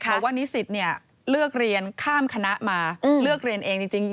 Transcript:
บอกว่านิสิตเลือกเรียนข้ามคณะมาเลือกเรียนเองจริง